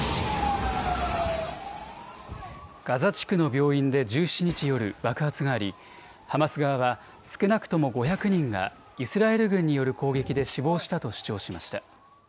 ガザ地区の病院で１７日夜、爆発がありハマス側は少なくとも５００人がイスラエル軍による攻撃で死亡したと主張しました。